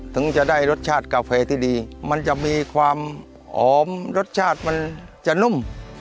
ถึงจะได้รสชาติกาแฟที่ดีมันจะมีความหอมรสชาติมันจะนุ่ม